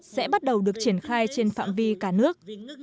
sẽ bắt đầu được triển khai trên phạm vi cả nước